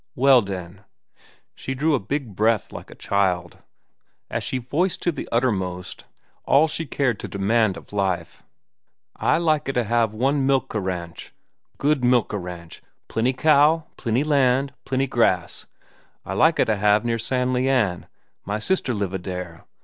"Well, den—" She drew a big breath like a child, as she voiced to the uttermost all she cared to demand of life. "I lika da have one milka ranch—good milka ranch. Plenty cow, plenty land, plenty grass. I lika da have near San Le an; my sister liva dere.